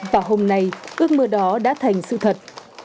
và hôm nay ước mơ đó đã thành sự thật